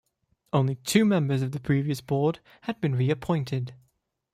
Only two members of the previous board had been reappointed.